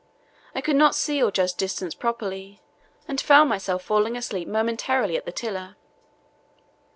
I could not see or judge distance properly, and found myself falling asleep momentarily at the tiller.